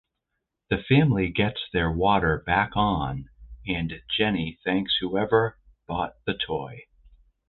The family gets their water back on and Jenny thanks whoever bought the toy.